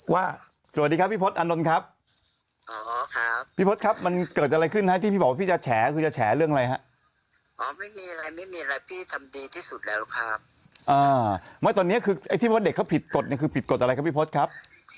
อ๋อไม่ต้องถามเขาเองอะครับเพราะเราไม่สามารถพูดได้อะครับ